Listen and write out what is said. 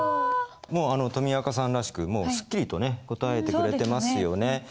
もうとみあかさんらしくすっきりと答えてくれてますよね。